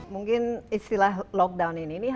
mungkin istilah lockdown ini